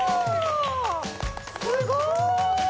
すごい！